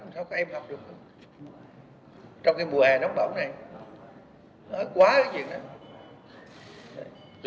không có em học được trong cái mùa hè nóng bỏng này nói quá cái chuyện đó